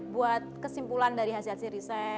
buat kesimpulan dari hasil hasil riset